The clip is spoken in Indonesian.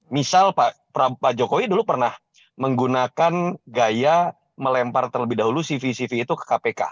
misal pak jokowi dulu pernah menggunakan gaya melempar terlebih dahulu cv cv itu ke kpk